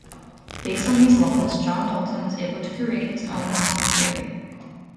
Based on these laws, John Dalton was able to create his own atomic theory.